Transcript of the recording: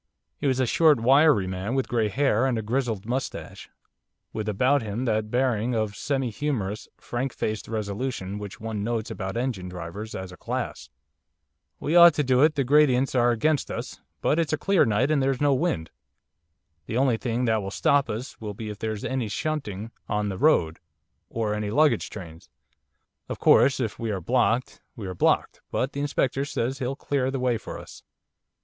He was a short, wiry man with grey hair and a grizzled moustache, with about him that bearing of semi humorous, frank faced resolution which one notes about engine drivers as a class. 'We ought to do it, the gradients are against us, but it's a clear night and there's no wind. The only thing that will stop us will be if there's any shunting on the road, or any luggage trains; of course, if we are blocked, we are blocked, but the Inspector says he'll clear the way for us.